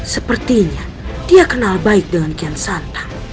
sepertinya dia kenal baik dengan kian santa